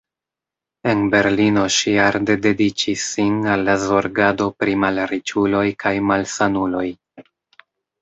En Berlino ŝi arde dediĉis sin al la zorgado pri malriĉuloj kaj malsanuloj.